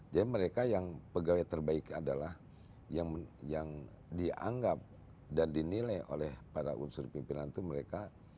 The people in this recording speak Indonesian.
jadi mereka yang pegawai terbaik adalah yang dianggap dan dinilai oleh para unsur pimpinan itu mereka